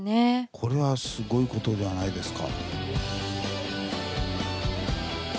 これはすごい事ではないですか？